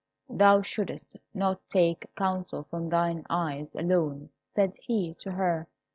"Thou shouldst not take counsel from thine eyes alone," said he to her.